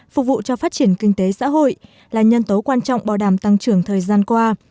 phục vụ cho phát triển kinh tế xã hội là nhân tố quan trọng bảo đảm tăng trưởng thời gian qua